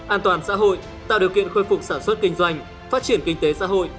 an toàn xã hội tạo điều kiện khôi phục sản xuất kinh doanh phát triển kinh tế xã hội